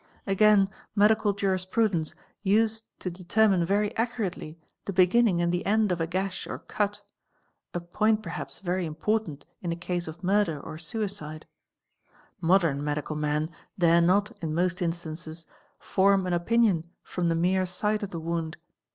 Again medical jurisprudents used to determine very accurately a beginning and the end of a gash or cut, a point perhaps very import ant in a case of murder or suicide ; modern medical men dare not in most | Rares form an opinion from the mere sight of the wound.